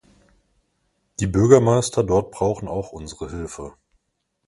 Die Bürgermeister dort brauchen auch unsere Hilfe.